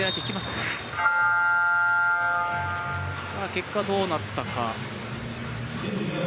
結果はどうなったか。